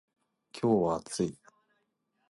今日は暑い